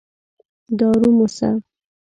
دارو موسه.